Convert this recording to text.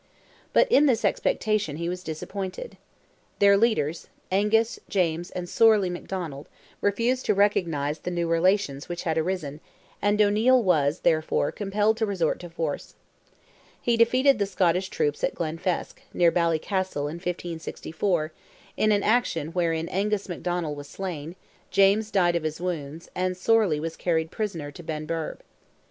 But in this expectation he was disappointed. Their leaders, Angus, James, and Sorley McDonald, refused to recognize the new relations which had arisen, and O'Neil was, therefore, compelled to resort to force. He defeated the Scottish troops at Glenfesk, near Ballycastle, in 1564, in an action wherein Angus McDonald was slain, James died of his wounds, and Sorley was carried prisoner to Benburb.